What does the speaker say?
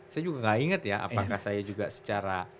saya juga gak inget ya apakah saya juga secara